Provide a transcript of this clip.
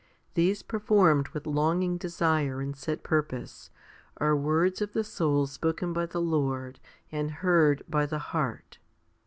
These, performed with longing desire and set purpose, are words of the soul spoken by the Lord and heard by the heart.